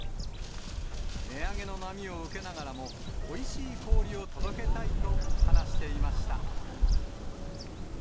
値上げの波を受けながらも、おいしい氷を届けたいと話していました。